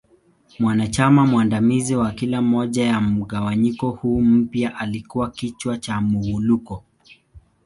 Mwanachama mwandamizi wa kila moja ya mgawanyiko huu mpya alikua kichwa cha Muwuluko.